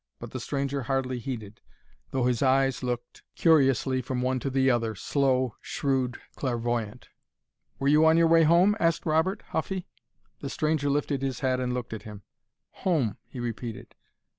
But the stranger hardly heeded, though his eyes looked curiously from one to the other, slow, shrewd, clairvoyant. "Were you on your way home?" asked Robert, huffy. The stranger lifted his head and looked at him. "Home!" he repeated.